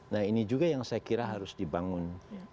nah ini juga yang saya kira harus dibangun